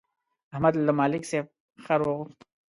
احمد له ملک صاحب خر وغوښت.